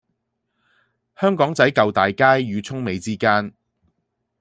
香港仔舊大街與涌尾之間